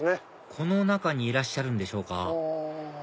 この中にいらっしゃるんでしょうか？